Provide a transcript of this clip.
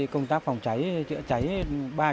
công tác phòng cháy cháy là một công tác phòng cháy